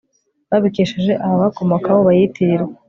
babikesheje ababakomokaho bayitirirwa